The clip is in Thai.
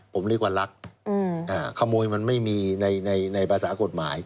ผมเรียกว่ารักอืมอ่าขโมยมันไม่มีในในในในภาษากฎหมาย